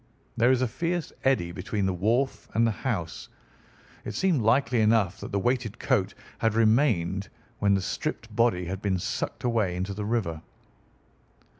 There is a fierce eddy between the wharf and the house. It seemed likely enough that the weighted coat had remained when the stripped body had been sucked away into the river."